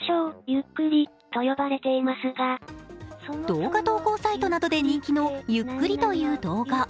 動画投稿サイトなどで人気の「ゆっくり」という動画。